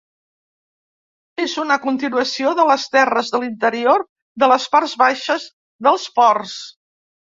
És una continuació de les terres de l’interior de les parts baixes dels Ports.